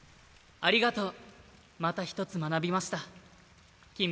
ありがとう。